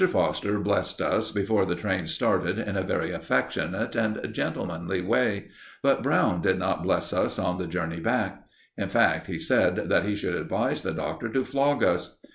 Foster blessed us, before the train started, in a very affectionate and gentlemanly way; but Brown did not bless us on the journey back. In fact, he said that he should advise the Doctor to flog us.